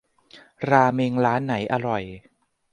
ราเมงร้านไหนอร่อย